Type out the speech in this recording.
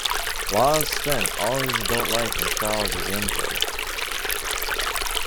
Lawes spent all his adult life in Charles's employ.